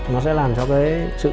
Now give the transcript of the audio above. nó sẽ làm cho cái sự khỏe